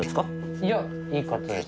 いやいい方です。